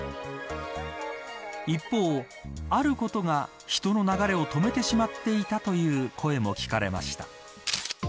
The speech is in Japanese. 一方、あることが人の流れを止めてしまっていたという声も聞かれました。